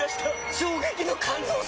衝撃の感動作！